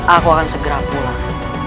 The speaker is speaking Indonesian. aku akan segera pulang